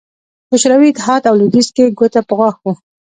په شوروي اتحاد او لوېدیځ کې ګوته په غاښ وو